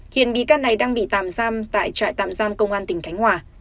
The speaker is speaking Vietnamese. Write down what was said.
hiện bị can này đang bị tạm giam tại trại tạm giam công an tỉnh khánh hòa